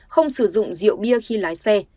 không sử dụng rượu bia khi lái xe